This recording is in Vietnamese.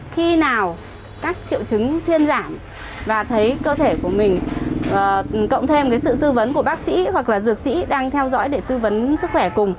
khi nào các triệu chứng thuyên giảm và thấy cơ thể của mình cộng thêm sự tư vấn của bác sĩ hoặc là dược sĩ đang theo dõi để tư vấn sức khỏe cùng